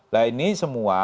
nah ini semua